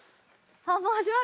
あっもう始まる？